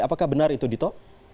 apakah benar itu dito